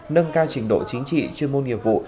nâng cao trình độ chính trị chuyên môn nghiệp vụ